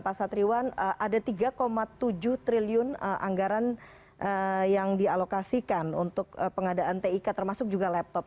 pak satriwan ada tiga tujuh triliun anggaran yang dialokasikan untuk pengadaan tik termasuk juga laptop